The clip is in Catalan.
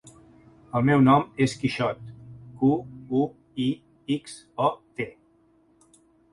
El meu nom és Quixot: cu, u, i, ics, o, te.